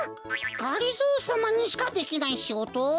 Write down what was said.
がりぞーさまにしかできないしごと？